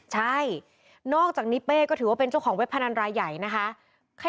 ใช่นอกจากนี้เป้ก็ถือว่าเป็นเจ้าของเว็บพนันรายใหญ่นะคะ